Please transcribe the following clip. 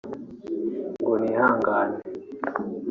ngo nihangane